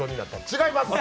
違います！